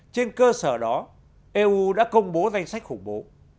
trên cơ sở đó eu đã công bố danh sách khủng bố